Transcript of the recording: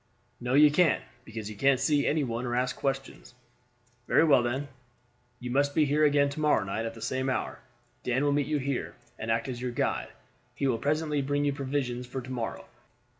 "No, you can't; because you can't see any one or ask questions. Very well, then, you must be here again to morrow night at the same hour. Dan will meet you here, and act as your guide. He will presently bring you provisions for to morrow.